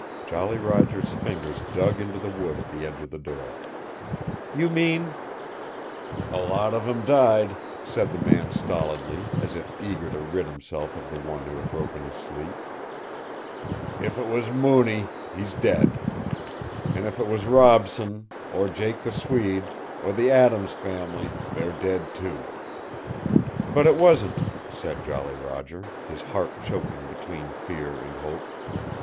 Jolly Roger's fingers dug into the wood at the edge of the door. "You mean " "A lot of 'em died," said the man stolidly, as if eager to rid himself of the one who had broken his sleep. "If it was Mooney, he's dead. An' if it was Robson, or Jake the Swede, or the Adams family they're dead, too." "But it wasn't," said Jolly Roger, his heart choking between fear and hope.